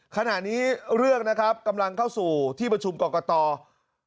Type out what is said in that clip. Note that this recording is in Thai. ขณะนี้เรื่องนะครับกำลังเข้าสู่ที่ประชุมกรกต